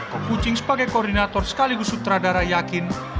com kucing sebagai koordinator sekaligus sutradara yakin